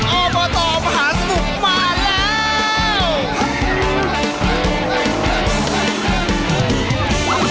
ออเบอร์โตมหาสนุกมาแล้ว